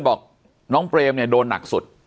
บอกน้องเปรมเนี่ยโดนหนักสุด